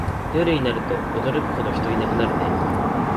夜になると驚くほど人いなくなるね